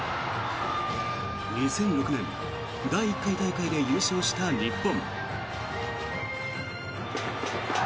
２００６年第１回大会で優勝した日本。